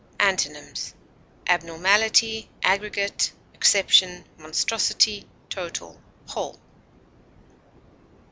Antonyms: abnormality, aggregate, exception, monstrosity, total, whole.